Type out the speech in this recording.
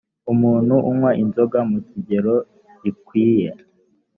umuntu anywa inzoga mukigero gikwiye